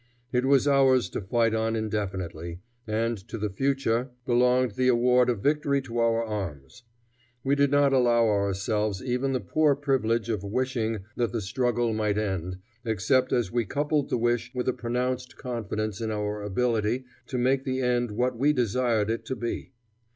It was ours to fight on indefinitely, and to the future belonged the award of victory to our arms. We did not allow ourselves even the poor privilege of wishing that the struggle might end, except as we coupled the wish with a pronounced confidence in our ability to make the end what we desired it to be.